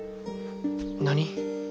何？